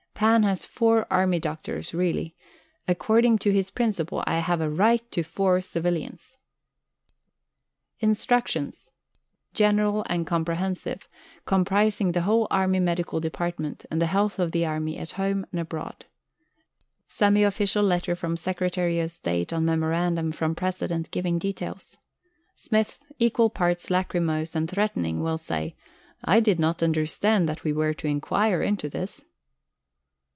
Pan has four Army Doctors really, therefore according to his principle I have a right to four Civilians. Instructions: general and comprehensive, comprising the whole Army Medical Department, and the health of the Army, at home and abroad. Semi official letter from Secretary of State on Memorandum from President giving details. Smith, equal parts lachrymose and threatening, will say, "I did not understand that we were to inquire into this."